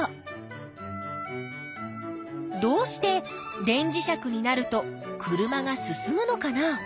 どうして電磁石になると車が進むのかな？